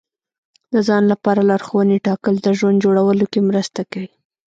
د ځان لپاره لارښوونې ټاکل د ژوند جوړولو کې مرسته کوي.